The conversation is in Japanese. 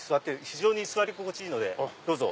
非常に座り心地いいのでどうぞ。